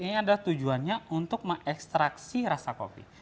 ini adalah tujuannya untuk mengekstraksi rasa kopi